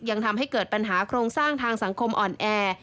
ยังทำให้เกิดปัญหาโครงสร้างทางสังคมอ่อนแอ